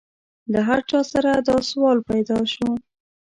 له هر چا سره دا سوال پیدا شو.